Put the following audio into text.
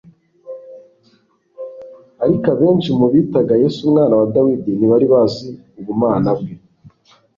Ariko, abenshi mu bitaga Yesu Umwana wa Dawidi, ntibari bazi ubumana bwe.